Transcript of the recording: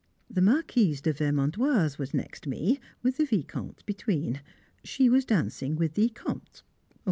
The Marquise de Vermandoise was next me, with the Vicomte between; she was dancing with the Comte.